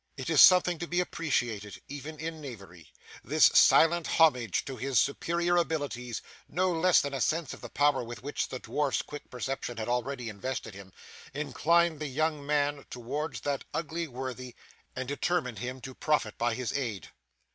It is something to be appreciated, even in knavery. This silent homage to his superior abilities, no less than a sense of the power with which the dwarf's quick perception had already invested him, inclined the young man towards that ugly worthy, and determined him to profit by his aid.